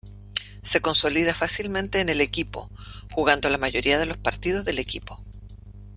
Se consolida fácilmente en el equipo, jugando la mayoría de los partidos del equipo.